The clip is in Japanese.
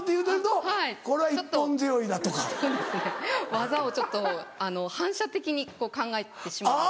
技をちょっと反射的に考えてしまう。